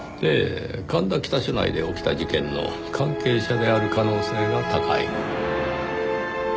神田北署内で起きた事件の関係者である可能性が高い。